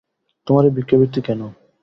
তোমার এ ভিক্ষাবৃত্তি কেন।